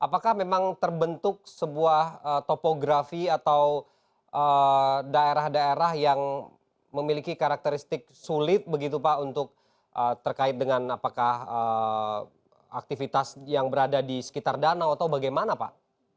apakah memang terbentuk sebuah topografi atau daerah daerah yang memiliki karakteristik sulit begitu pak untuk terkait dengan apakah aktivitas yang berada di sekitar danau atau bagaimana pak